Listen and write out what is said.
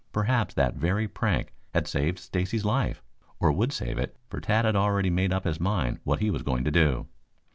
Perhaps that very prank had saved Stacy's life, or would save it, for Tad had already made up his mind what he was going to do.